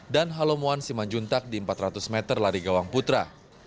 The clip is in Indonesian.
dan halomoan simanjuntak di empat ratus meter lari gawang putra